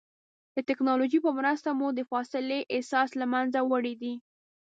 د ټکنالوجۍ په مرسته مو د فاصلې احساس له منځه وړی دی.